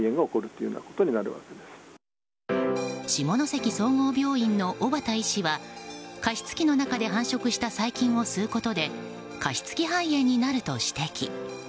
下関総合病院の小畑医師は加湿器の中で繁殖した細菌を吸うことで加湿器肺炎になると指摘。